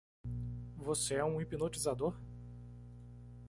Você é um hipnotizador?